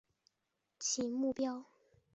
其目标至今未曾改变。